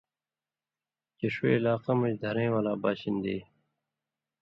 چے ݜُو علاقہ مژ دھرَیں والا باشِندی